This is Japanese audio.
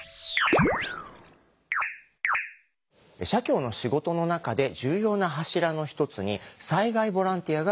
社協の仕事の中で重要な柱の一つに災害ボランティアがあります。